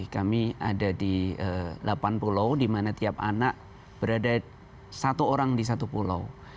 kami ada di delapan pulau di mana tiap anak berada satu orang di satu pulau